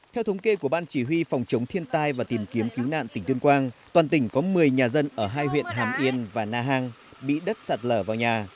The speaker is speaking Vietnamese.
theo thống kê của ban chỉ huy phòng chống thiên tai và tìm kiếm cứu nạn tỉnh tuyên quang toàn tỉnh có một mươi nhà dân ở hai huyện hàm yên và na hàng bị đất sạt lở vào nhà